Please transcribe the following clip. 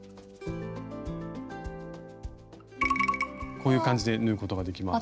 こういう感じで縫うことができます。